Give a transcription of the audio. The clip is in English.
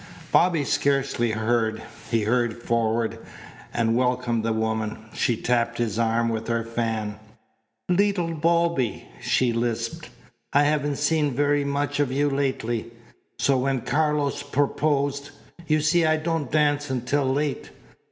Bobby scarcely heard. He hurried forward and welcomed the woman. She tapped his arm with her fan. "Leetle Bobby!" she lisped. "I haven't seen very much of you lately. So when Carlos proposed you see I don't dance until late.